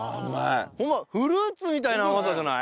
ホンマフルーツみたいな甘さじゃない？